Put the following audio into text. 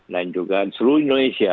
dan juga seluruh indonesia